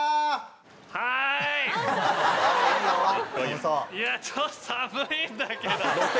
はーい！いやちょっと寒いんだけど。